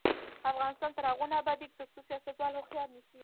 افغانستان تر هغو نه ابادیږي، ترڅو سیاستوال هوښیار نشي.